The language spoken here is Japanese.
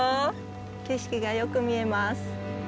景色がよく見えます。